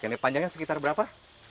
ini panjangnya sekitar berapa